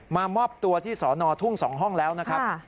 มามอบตัวที่สอนอทุ่ง๒ห้องแล้วนะครับ